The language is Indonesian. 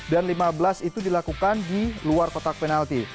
lima belas itu dilakukan di luar kotak penalti